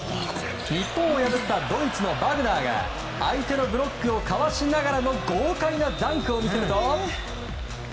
日本を破ったドイツのバグナーが相手のブロックをかわしながらの豪快なダンクを見せると。